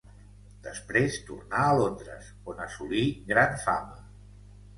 Després tornà a Londres, on assolí gran fama.